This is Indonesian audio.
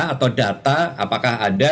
atau data apakah ada